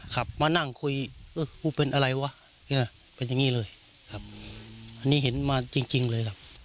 ขับมานั่งคุยเออกูเป็นอะไรวะเป็นอย่างนี้เลยครับอันนี้เห็นมาจริงเลยครับ